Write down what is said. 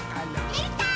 できたー！